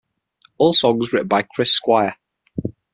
All songs written by Chris Squire.